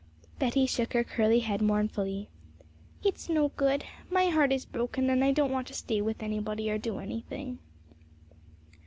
Betty shook her curly head mournfully. 'It's no good, my heart is broken; and I don't want to stay with anybody or do anything.'